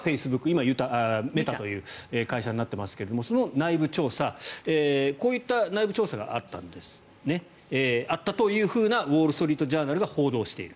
今はメタという会社になってますがその内部調査こういった内部調査があったというふうにウォール・ストリート・ジャーナルが報道している。